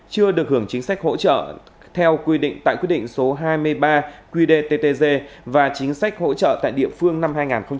chưa được hưởng chính sách hỗ trợ tại quy định số hai mươi ba qdttg và chính sách hỗ trợ tại địa phương năm hai nghìn hai mươi một